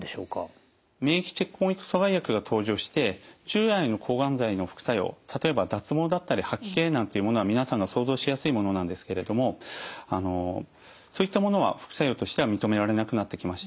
免疫チェックポイント阻害薬が登場して従来の抗がん剤の副作用例えば脱毛だったり吐き気なんていうものは皆さんが想像しやすいものなんですけれどもそういったものは副作用としては認められなくなってきました。